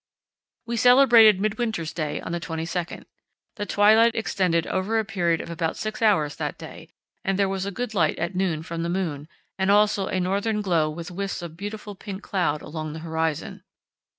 We celebrated Midwinter's Day on the 22nd. The twilight extended over a period of about six hours that day, and there was a good light at noon from the moon, and also a northern glow with wisps of beautiful pink cloud along the horizon.